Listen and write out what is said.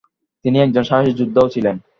তিনি একজন সাহসী যোদ্ধা ও ছিলেন।